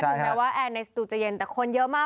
แม้ว่าแอร์ในสตูจะเย็นแต่คนเยอะมาก